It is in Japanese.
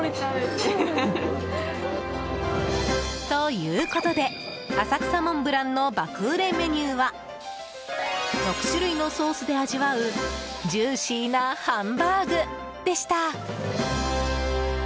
ということで浅草・モンブランの爆売れメニューは６種類のソースで味わうジューシーなハンバーグでした。